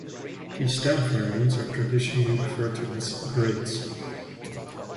These stem variants are traditionally referred to as 'grades'.